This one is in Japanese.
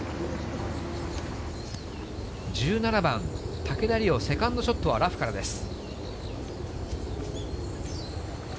１７番、竹田麗央、セカンドショットはラフからです。